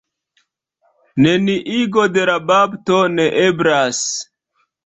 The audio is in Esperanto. Neniigo de la bapto ne eblas.